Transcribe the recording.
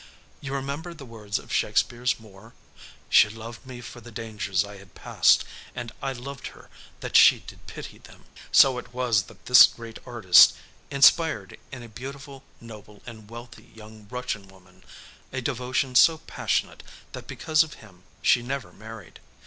You remember the words of Shakespeare's Moor: 'She loved me for the dangers I had passed, and I loved her that she did pity them.' "So it was that this great artist inspired in a beautiful, noble and wealthy young Russian woman, a devotion so passionate that because of him she never married.